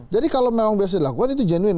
jadi kalau memang biasa dilakukan itu genuin